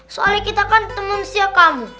soalnya kita kan temen siap kamu